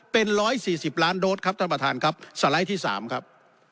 เป็น๑๔๐ล้านโดสครับท่านประธานครับสไลด์ที่๓ครับ